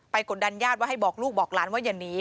กดดันญาติว่าให้บอกลูกบอกหลานว่าอย่าหนี